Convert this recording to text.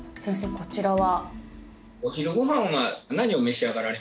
こちらは？